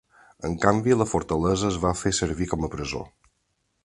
En canvi, la fortalesa es va fer servir com a presó.